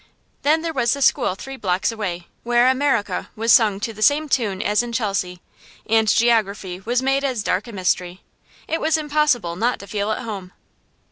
Then there was the school three blocks away, where "America" was sung to the same tune as in Chelsea, and geography was made as dark a mystery. It was impossible not to feel at home.